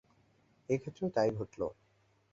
এ ক্ষেত্রেও তাই ঘটল।